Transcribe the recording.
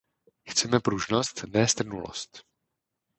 Chceme pružnost, ne strnulost!